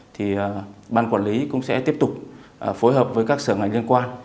thì ban quản lý cũng sẽ tiếp tục phối hợp với các sở ngành liên quan